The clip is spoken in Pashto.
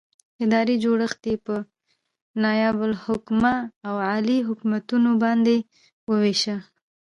ادارې جوړښت یې په نائب الحکومه او اعلي حکومتونو باندې وویشه.